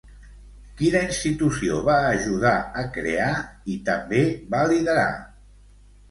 Quina institució va ajudar a crear i també va liderar?